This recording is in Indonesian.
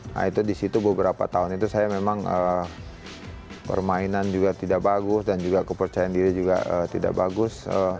nah itu di situ beberapa tahun itu saya memang permainan juga tidak bagus dan juga kepercayaan diri juga tidak bagus